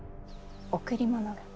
贈り物が。